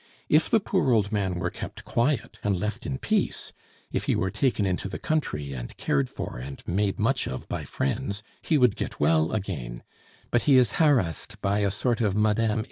If the poor old man were kept quiet and left in peace; if he were taken into the country and cared for and made much of by friends, he would get well again; but he is harassed by a sort of Mme.